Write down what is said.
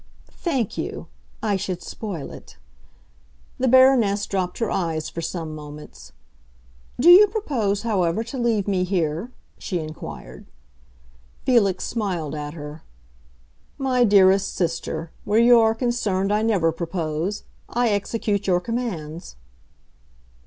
"Thank you: I should spoil it." The Baroness dropped her eyes for some moments. "Do you propose, however, to leave me here?" she inquired. Felix smiled at her. "My dearest sister, where you are concerned I never propose. I execute your commands."